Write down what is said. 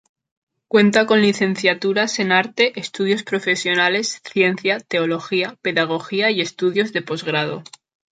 Cuenta con licenciaturas en arte, estudios profesionales, ciencia, teología, pedagogía y estudios de posgrado.